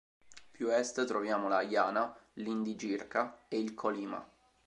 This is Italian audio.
Più a est troviamo la Jana, l'Indigirka e il Kolyma.